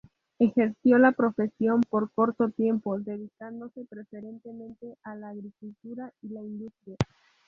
Ejerció la profesión por corto tiempo, dedicándose preferentemente a la agricultura y la industria.